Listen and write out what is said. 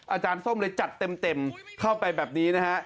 ส้มเลยจัดเต็มเข้าไปแบบนี้นะฮะ